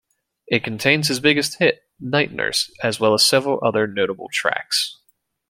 It contains his biggest hit, "Night Nurse" as well as several other notable tracks.